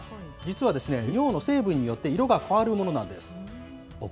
実は尿の成分によって色が変わるものなんです。